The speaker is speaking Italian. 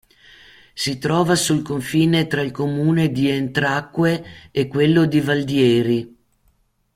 Si trova sul confine tra il comune di Entracque e quello di Valdieri.